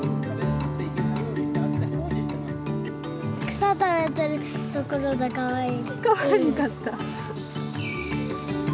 草食べてるところがかわいい。